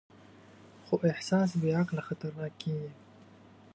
خو احساس بېعقله خطرناک کېږي.